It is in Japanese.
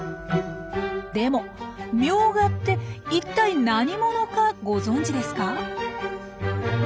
でもミョウガっていったい何者かご存じですか？